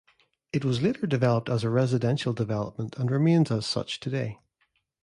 It was later developed as a residential development and remains as such today.